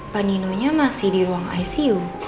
pak nino nya masih di ruang icu